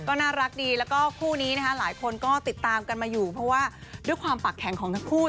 ก็น่ารักดีแล้วก็คู่นี้นะคะหลายคนก็ติดตามกันมาอยู่เพราะว่าด้วยความปากแข็งของทั้งคู่